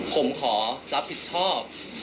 ผมขอรับผิดชอบ